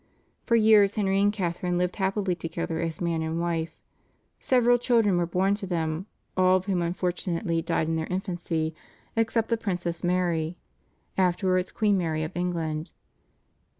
For years Henry and Catharine lived happily together as man and wife. Several children were born to them, all of whom unfortunately died in their infancy except the Princess Mary, afterwards Queen Mary of England.